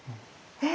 え。